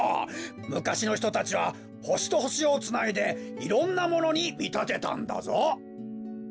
むかしのひとたちはほしとほしをつないでいろんなものにみたてたんだぞ。